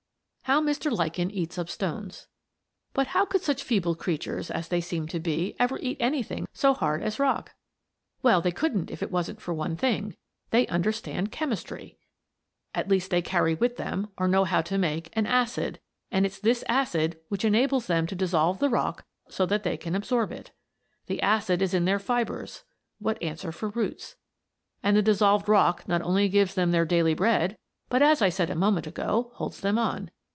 HOW MR. LICHEN EATS UP STONES But how could such feeble creatures, as they seem to be, ever eat anything so hard as rock? Well, they couldn't if it wasn't for one thing they understand chemistry. At least they carry with them, or know how to make, an acid, and it's this acid which enables them to dissolve the rock so that they can absorb it. The acid is in their fibres what answer for roots. And the dissolved rock not only gives them their daily bread, but, as I said a moment ago, holds them on.